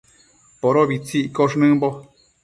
Podobitsi iccosh nëmbo